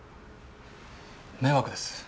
迷惑です。